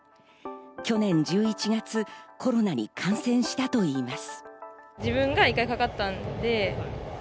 去年１１月、コロナに感染したといいます。